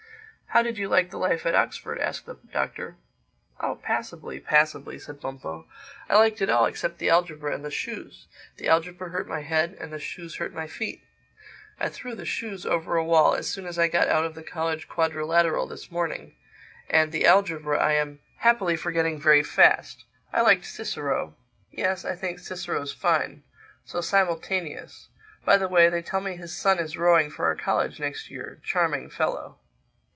"How did you like the life at Oxford?" asked the Doctor. "Oh, passably, passably," said Bumpo. "I liked it all except the algebra and the shoes. The algebra hurt my head and the shoes hurt my feet. I threw the shoes over a wall as soon as I got out of the college quadrilateral this morning; and the algebra I am happily forgetting very fast—I liked Cicero—Yes, I think Cicero's fine—so simultaneous. By the way, they tell me his son is rowing for our college next year—charming fellow."